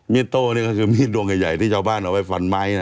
โต้นี่ก็คือมีดดวงใหญ่ที่ชาวบ้านเอาไปฟันไม้นะ